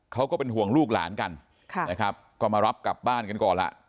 ก็เป็นห่วงลูกหลานกันนะครับก็มารับกลับบ้านกันก่อนล่ะ